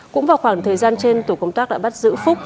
cũng vào khoảng thời gian trên tổ công tác đã bắt giữ phúc